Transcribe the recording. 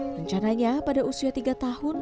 rencananya pada usia tiga tahun